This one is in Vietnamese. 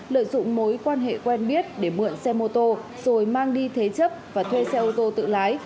lợi dụng mối quan hệ quen biết để mượn xe mô tô rồi mang đi thế chấp và thuê xe ô tô tự lái